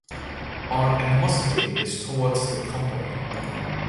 Our animosity is towards the company.